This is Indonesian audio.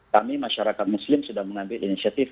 kami masyarakat muslim sudah mengambil inisiatif